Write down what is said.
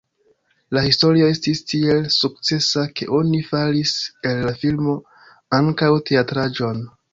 La historio estis tiel sukcesa, ke oni faris el la filmo ankaŭ teatraĵon.